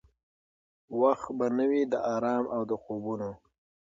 وخت به نه وي د آرام او د خوبونو؟